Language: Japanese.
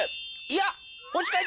いや。